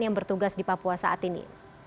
yang bertugas di papua saat ini